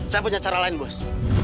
saya punya cara lain bos